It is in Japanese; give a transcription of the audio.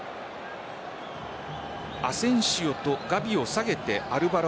アセンシオとガヴィを下げてアルヴァロ